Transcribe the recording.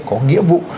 có nghĩa vụ